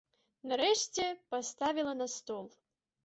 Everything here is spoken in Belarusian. Нарэшце паставіла на стол.